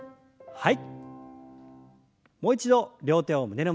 はい。